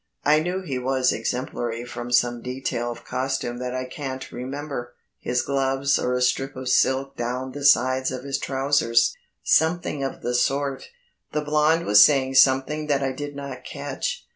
I knew he was exemplary from some detail of costume that I can't remember his gloves or a strip of silk down the sides of his trousers something of the sort. The blond was saying something that I did not catch.